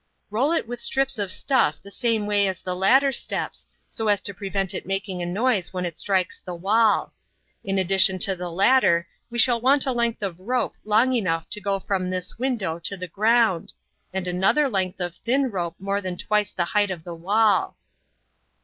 "Roll it with strips of stuff the same way as the ladder steps, so as to prevent it making a noise when it strikes the wall. In addition to the ladder we shall want a length of rope long enough to go from this window to the ground, and another length of thin rope more than twice the height of the wall."